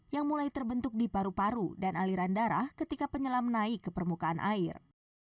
yang mulai terbentuk di paru paru dan aliran darah ketika penyelam naik ke permukaan air